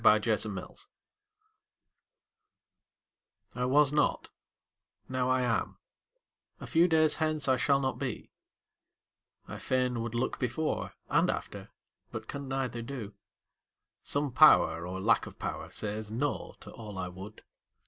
THE MYSTERY I was not; now I am a few days hence I shall not be; I fain would look before And after, but can neither do; some Power Or lack of power says "no" to all I would.